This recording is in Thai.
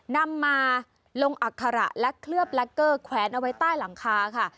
นำมาลงอัคระและเคลือบแล็กเกอร์แขวนเอาไว้ใต้หลังคาค่ะ